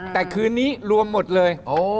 แต่คืนนี้รวมหมดเลย